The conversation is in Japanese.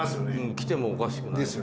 来てもおかしくない。